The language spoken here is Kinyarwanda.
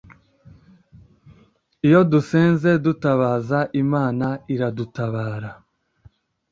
iyo dusenze dutabaza Imana iradutabara